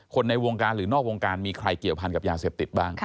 ในวงการหรือนอกวงการมีใครเกี่ยวพันกับยาเสพติดบ้าง